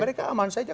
mereka aman saja